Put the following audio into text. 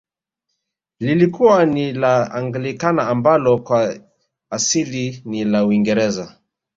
Lilikuwa ni la Anglikana ambalo kwa asili ni la uingereza